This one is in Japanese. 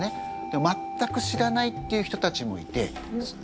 でも全く知らないっていう人たちもいて。